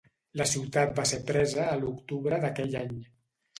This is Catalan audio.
La ciutat va ser presa a l'octubre d'aquell any.